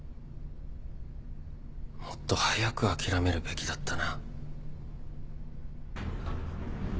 もっと早く諦めるべきだったな。